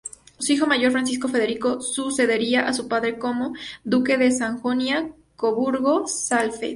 Su hijo mayor, Francisco Federico, sucedería a su padre como Duque de Sajonia-Coburgo-Saalfeld.